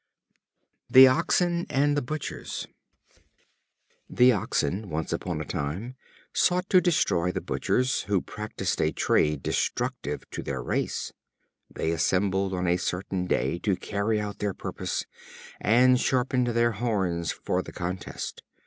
The Oxen and the Butchers. The Oxen, once on a time, sought to destroy the Butchers, who practiced a trade destructive to their race. They assembled on a certain day to carry out their purpose, and sharpened their horns for the contest.